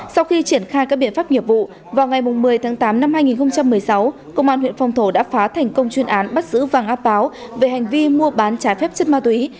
sau khi triển khai các biện pháp nghiệp vụ vào ngày một mươi tháng tám năm hai nghìn một mươi sáu công an huyện phong thổ đã phá thành công chuyên án bắt giữ vàng ác báo về hành vi mua bán trái phép chất ma túy